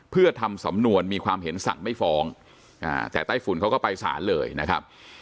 เพื่อทำสำนวนมีความเห็นสั่งไม่ฟ้องแต่ไต้ฝุ่นเขาก็ไปสารเลยนะครับ